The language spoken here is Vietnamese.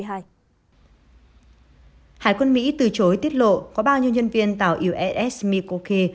hải quân mỹ từ chối tiết lộ có bao nhiêu nhân viên tàu uss mikoki